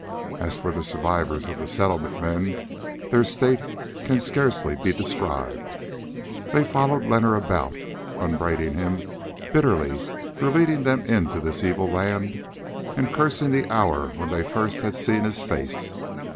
As for the survivors of the Settlement men, their state can scarcely be described. They followed Leonard about, upbraiding him bitterly for leading them into this evil land and cursing the hour when first they had seen his face.